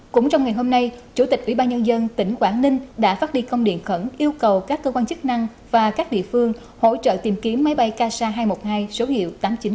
cũng trong ngày hôm nay chủ tịch ubnd tỉnh quảng ninh đã phát đi công điện khẩn yêu cầu các cơ quan chức năng và các địa phương hỗ trợ tìm kiếm máy bay casa hai trăm một mươi hai số hiệu tám nghìn chín trăm tám mươi ba